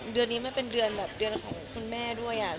เดือนนี้มันเป็นเดือนแบบเดือนของคุณแม่ด้วย